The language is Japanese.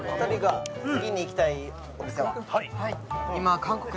はい